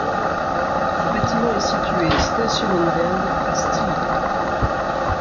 Ce bâtiment est situé stationenberg à Still.